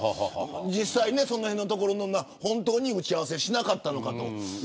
実際、そのへんのところ本当に打ち合わせしなかったのかと。